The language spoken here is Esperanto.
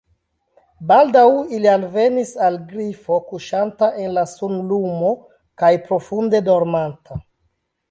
Baldaŭ ili alvenis al Grifo kuŝanta en la sunlumo kaj profunde dormanta.